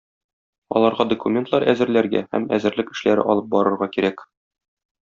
Аларга документлар әзерләргә һәм әзерлек эшләре алып барырга кирәк.